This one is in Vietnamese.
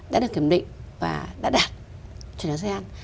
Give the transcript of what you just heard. đã được kiểm định và đã đạt chuẩn asean